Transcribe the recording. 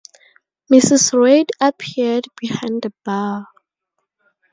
Mrs. Reid appeared behind the bar.